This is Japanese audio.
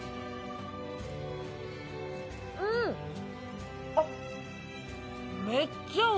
うん！あっ。